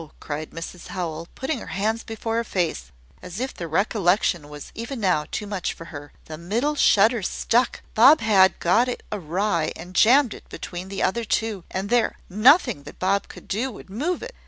cried Mrs Howell, putting her hands before her face, as if the recollection was even now too much for her, "the middle shutter stuck Bob had got it awry, and jammed it between the other two, and there, nothing that Bob could do would move it!